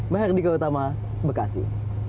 meherdika utama bekasi